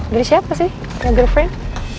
dari siapa sih girlfriend